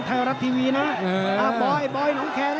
แกมีโบ๊ยบ๊อยน้องแคท